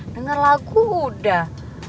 denger lagu udah